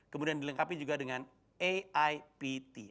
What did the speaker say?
kemudian dilengkapi juga dengan aipt